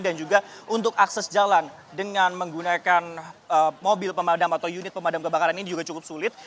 dan juga untuk akses jalan dengan menggunakan mobil pemadam atau unit pemadam kebakaran ini juga cukup sulit